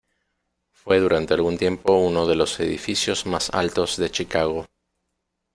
Fue durante algún tiempo uno de los edificios más altos de Chicago.